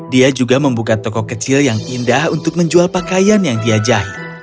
dia juga membuka toko kecil yang indah untuk menjual pakaian yang dia jahit